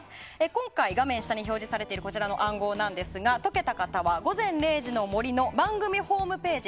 今回画面下に表示されているこちらの暗号ですが解けた方は「午前０時の森」の番組ホームページ